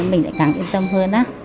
mình lại càng yên tâm hơn